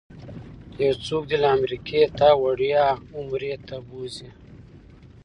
یو څوک دې له امریکې تا وړیا عمرې ته بوځي.